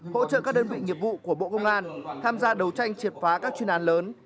hỗ trợ các đơn vị nghiệp vụ của bộ công an tham gia đấu tranh triệt phá các chuyên án lớn